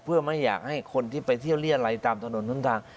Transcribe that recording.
เพื่อไม่อยากให้คนที่ไปเที่ยวเรียรัยตามถนนหนทาง